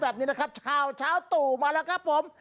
สวัสดีค่ะต่างทุกคน